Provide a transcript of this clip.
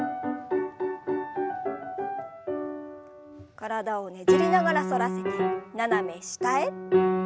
体をねじりながら反らせて斜め下へ。